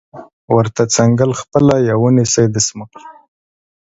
ورته څنګل خپله یا ونیسئ دستمال